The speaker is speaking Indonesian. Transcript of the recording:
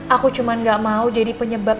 aku cuma gak mau jadi penyebab